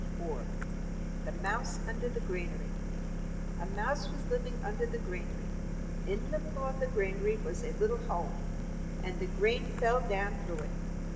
"[Pg 22] THE MOUSE UNDER THE GRANARY A Mouse was living under the granary. In the floor of the granary there was a little hole, and the grain fell down through it.